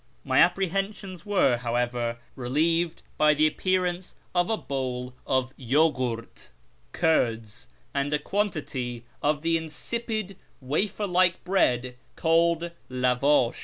My apprehensions were, however, relieved by the appearance of a bowl of yorjli'Art (curds) and a quantity of the insipid wafer like bread called lawdsh.